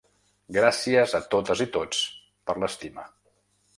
Gràcies a totes i tots per l'estima.